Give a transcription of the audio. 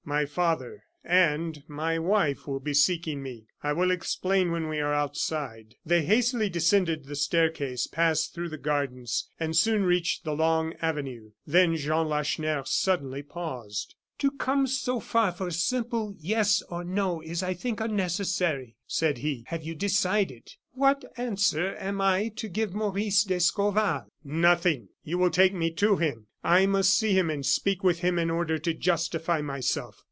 My father and my wife will be seeking me. I will explain when we are outside." They hastily descended the staircase, passed through the gardens, and soon reached the long avenue. Then Jean Lacheneur suddenly paused. "To come so far for a simple yes or no is, I think, unnecessary," said he. "Have you decided? What answer am I to give Maurice d'Escorval?" "Nothing! You will take me to him. I must see him and speak with him in order to justify myself.